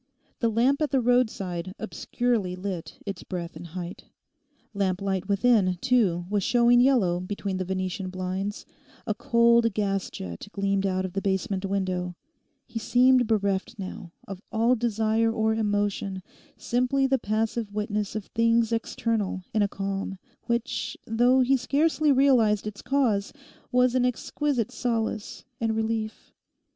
The lamp at the roadside obscurely lit its breadth and height. Lamp light within, too, was showing yellow between the Venetian blinds; a cold gas jet gleamed out of the basement window. He seemed bereft now of all desire or emotion, simply the passive witness of things external in a calm which, though he scarcely realised its cause, was an exquisite solace and relief.